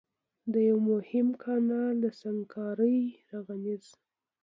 د يوه مهم کانال د سنګکارۍ رغنيزي